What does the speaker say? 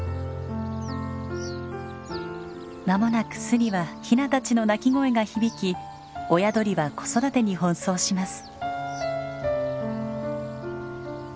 間もなく巣にはヒナたちの鳴き声が響き親鳥は子育てに奔走します。